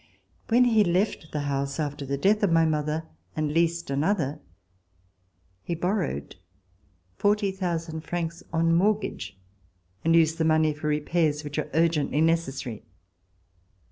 When he left the house after the death of my mother and leased another, he borrowed 40,000 francs on mortgage and used the money for repairs which were urgently necessary.